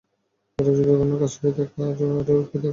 এটা যদি জঘন্য কাজ হয় আরে ওকে দেখা।